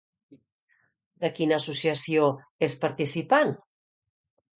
De quina associació és participant?